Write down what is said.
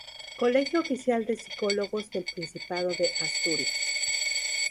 Colegio Oficial de Psicólogos del Principado de Asturias.